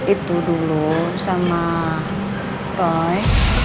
itu dulu sama roy